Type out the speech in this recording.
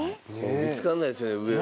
見つかんないですよ上は。